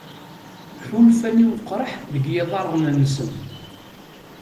Ḥulfan i weqraḥ deg yiḍarren-nsen.